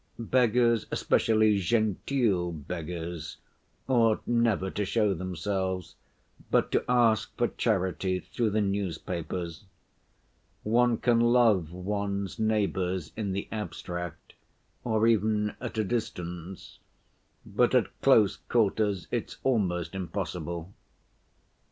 Beggars, especially genteel beggars, ought never to show themselves, but to ask for charity through the newspapers. One can love one's neighbors in the abstract, or even at a distance, but at close quarters it's almost impossible.